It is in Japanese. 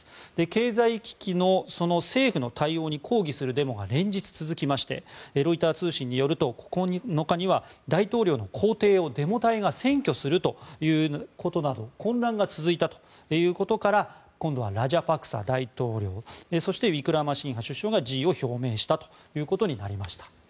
経済危機の政府の対応に抗議するデモが連日、続きましてロイター通信によると９日には大統領の公邸をデモ隊が占拠するということなど混乱が続いたということから今度はラジャパクサ大統領そして、ウィクラマシンハ首相が辞意を表明したということになりました。